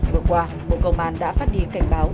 vừa qua bộ công an đã phát đi cảnh báo